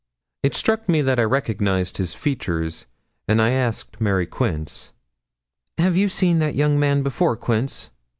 It struck me that I recognised his features, and I asked Mary Quince. 'Have you seen that young man before, Quince?'